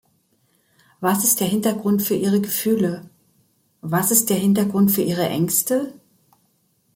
Was ist der Hintergrund für ihre Gefühle, was ist der Hintergrund für ihre Ängste?